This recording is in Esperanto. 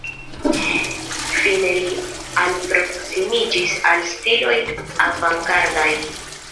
Fine li alproksimiĝis al stiloj avangardaj.